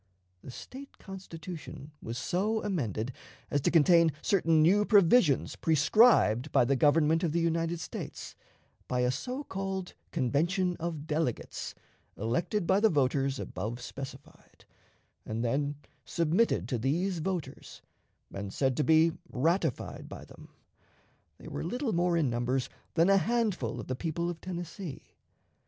The State Constitution was so amended as to contain certain new provisions prescribed by the Government of the United States by a so called convention of delegates elected by the voters above specified, and then submitted to these voters, and said to be ratified by them. They were little more in numbers than a handful of the people of Tennessee.